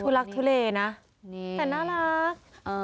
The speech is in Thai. ลักทุเลนะแต่น่ารัก